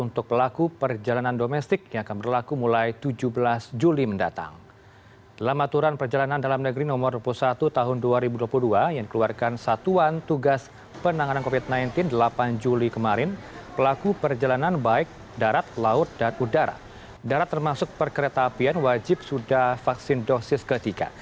termasuk perkereta apian wajib sudah vaksin dosis ketiga